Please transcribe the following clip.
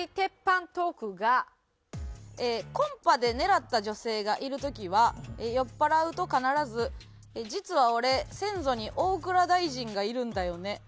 コンパで狙った女性がいる時は酔っ払うと必ず「実は俺先祖に大蔵大臣がいるんだよね」